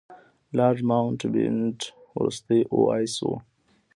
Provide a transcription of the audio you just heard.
لارډ ماونټ بیټن وروستی وایسराय و.